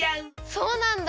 そうなんだ。